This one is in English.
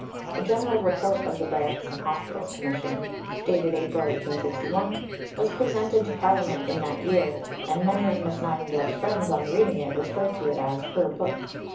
The General Report of the Barracks and Hospitals Commission, dated April 1861, was presented to Parliament in that year, and many of Miss Nightingale's friends, on reading it, referred to it as "her book."